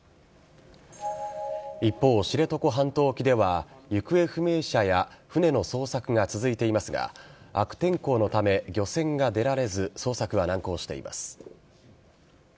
一方、知床半島沖では行方不明者や船の捜索が続いていますが悪天候のため漁船が出られず捜索は難航しています。